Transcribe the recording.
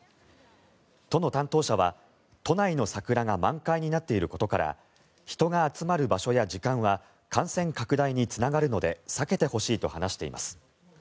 都の担当者は、都内の桜が満開になっていることから人が集まる場所や時間は感染拡大につながるので避けてほしいと話しています。